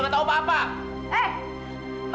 bukan ngomong kalau gak tau apa apa